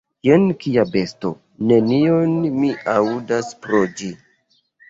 Jen kia besto: nenion mi aŭdas pro ĝi!